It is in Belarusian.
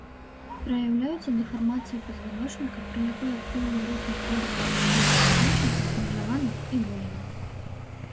Праяўляецца дэфармацыяй пазваночніка, пры якой актыўныя рухі хворага аддзела пазваночніка абмежаваны, і болямі.